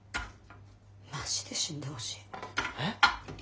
マジで死んでほしい。え？